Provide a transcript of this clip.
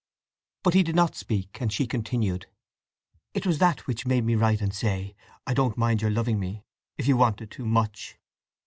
But he did not speak, and she continued: "It was that which made me write and say—I didn't mind your loving me—if you wanted to, much!"